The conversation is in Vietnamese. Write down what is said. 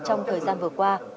trong thời gian vừa qua